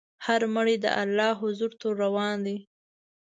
هر مړی د الله حضور ته روان دی.